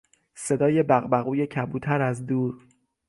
صدای بغبغوی کبوتر از دور